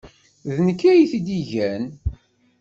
D nekk ay t-id-igan.